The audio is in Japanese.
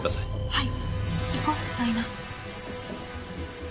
はい！